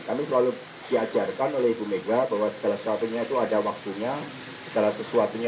kami selalu diajarkan oleh ibu mega bahwa segala sesuatunya itu ada waktunya segala sesuatunya